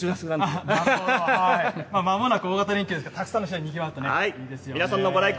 まもなく大型連休なので、たくさんの人でにぎわうといいですよね。